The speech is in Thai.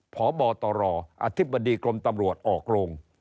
พบตรอธิบดีกรมตำรวจออกโรง